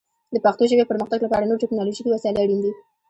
د پښتو ژبې پرمختګ لپاره نور ټکنالوژیکي وسایل اړین دي.